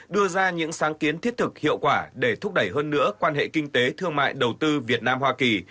đưa ra những sáng kiến thiết thực hiệu quả để thúc đẩy hơn nữa quan hệ kinh tế thương mại đầu tư việt nam hoa kỳ